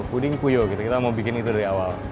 puding puyo gitu kita mau bikin itu dari awal